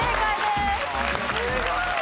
すごい！